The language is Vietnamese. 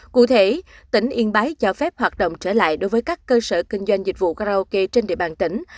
cụ thể tỉnh yên bái cho phép hoạt động trở lại đối với các cơ sở kinh doanh dịch vụ karaoke trên địa bàn tỉnh